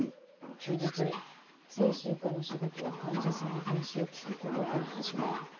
精神科の仕事は患者さんの話を聞くことから始まる。